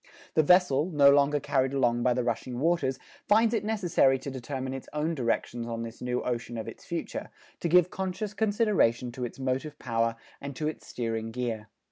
The vessel, no longer carried along by the rushing waters, finds it necessary to determine its own directions on this new ocean of its future, to give conscious consideration to its motive power and to its steering gear.